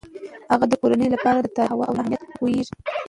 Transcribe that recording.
هغه د کورنۍ لپاره د تازه هوا او رڼا اهمیت پوهیږي.